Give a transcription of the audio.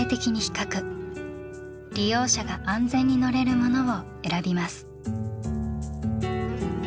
利用者が安全に乗れるものを選びます。